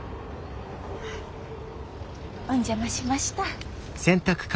お邪魔しました。